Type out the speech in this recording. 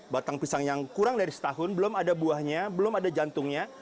batang pisang yang kurang dari setahun belum ada buahnya belum ada jantungnya